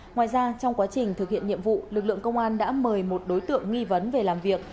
ngoài ra trong quá trình thực hiện nhiệm vụ lực lượng công an đã mời một đối tượng nghi vấn về làm việc